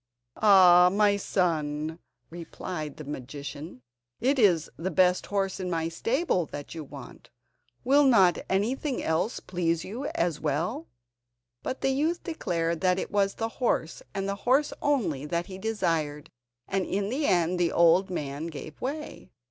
"Ah! my son," replied the magician, "it is the best horse in my stable that you want! Will not anything else please you as well?" But the youth declared that it was the horse, and the horse only, that he desired, and in the end the old man gave way.